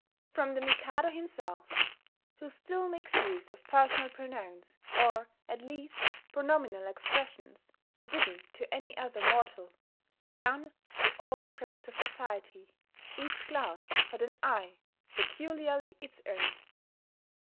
From the Mikado himself who still makes use of personal pronouns, or at least pronominal expressions, forbidden to any other mortal down through all the grades of society, each class had an "I" peculiarly its own.